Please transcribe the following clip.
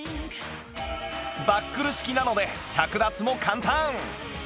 バックル式なので着脱も簡単